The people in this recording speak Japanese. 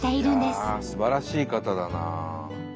すばらしい方だなあ。